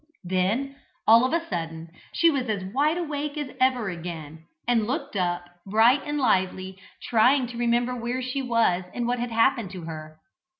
Then, all of a sudden, she was as wide awake as ever again, and looked up, bright and lively, trying to remember where she was, and what had happened to her.